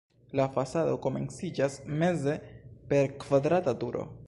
La fasado komenciĝas meze per kvadrata turo.